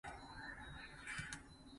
春分，暝日對分